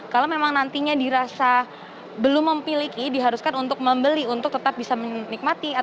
kalau memang nantinya dirasa belum memiliki diharuskan untuk membeli untuk tetap bisa menikmati ataupun siaran siaran tv digital